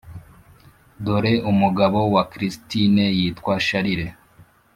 dore umugabo wa christine, yitwa charles